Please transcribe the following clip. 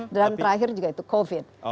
dan terakhir juga itu kekurangan